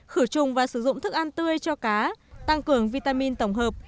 khử trùng và sử dụng thức ăn tươi cho cá tăng cường vitamin tổng hợp